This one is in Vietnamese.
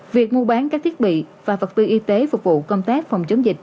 việc mua bán các thiết bị và vật tư y tế phục vụ công tác phòng chống dịch